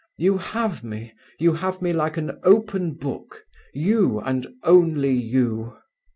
You have me, you have me like an open book, you, and only you!"